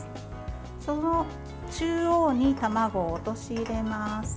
その中央に卵を落とし入れます。